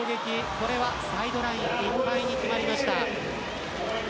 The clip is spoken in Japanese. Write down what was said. これはサイドラインいっぱいに決まりました。